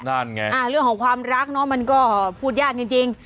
นั่นไงเรื่องของความรักเนาะมันก็พูดยากจริง